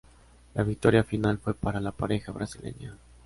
La victoria final fue para la pareja brasileña.